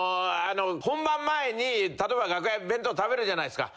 本番前に例えば楽屋で弁当食べるじゃないっすか。